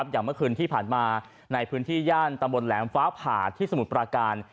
อย่างเมื่อคืนที่ผ่านมาในพื้นที่ย่านตำบลแหลมฟ้าผ่าที่สมุทรปราการ